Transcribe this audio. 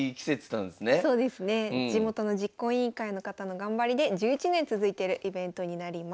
地元の実行委員会の方の頑張りで１１年続いてるイベントになります。